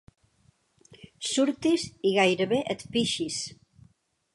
Surtis i gairebé et pixis.